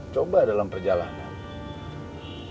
coba dalam perjalanan